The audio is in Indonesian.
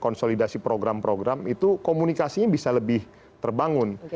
konsolidasi program program itu komunikasinya bisa lebih terbangun